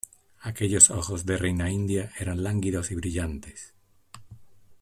aquellos ojos de reina india eran lánguidos y brillantes: